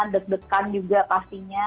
deg degan juga pastinya